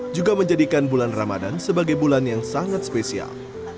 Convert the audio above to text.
juga menjadikan bulan ramadan sebagai bulan yang sangat spesial